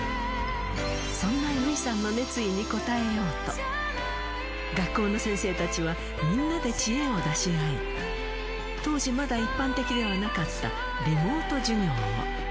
そんな優生さんの熱意に応えようと、学校の先生たちは、みんなで知恵を出し合い、当時、まだ一般的ではなかったリモート授業を。